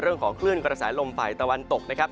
เรื่องของคลื่นกระแสลมฝ่ายตะวันตกนะครับ